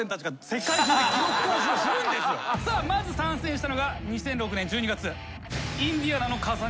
さあまず参戦したのが２００６年１２月。